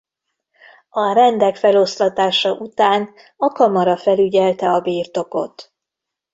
A rendek feloszlatása után a Kamara felügyelte a birtokot.